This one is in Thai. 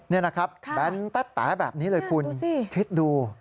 นี่นะครับแบนแต๊แบบนี้เลยคุณคิดดู